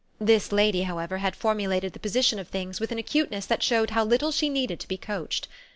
This lady, however, had formulated the position of things with an acuteness that showed how little she needed to be coached.